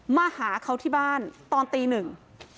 มาหาเขาที่บ้านตอนตีหนึ่ง